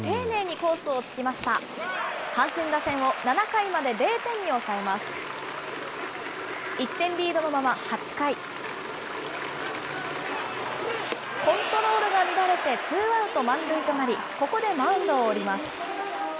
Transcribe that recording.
コントロールが乱れてツーアウト満塁となり、ここでマウンドを降ります。